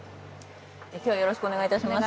今日はよろしくお願いいたします。